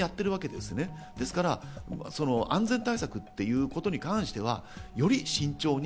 ですから安全対策ということに関してはより慎重に。